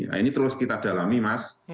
nah ini terus kita dalami mas